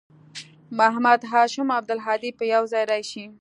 محمد هاشم او عبدالهادي به یوځای راشي